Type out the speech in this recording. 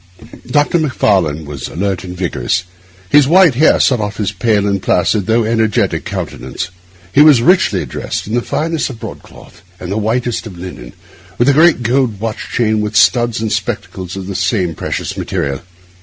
Dr. Macfarlane was alert and vigorous. His white hair set off his pale and placid, although energetic, countenance. He was richly dressed in the finest of broadcloth and the whitest of linen, with a great gold watch chain, and studs and spectacles of the same precious material.